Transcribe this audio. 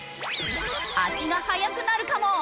足が速くなるかも！？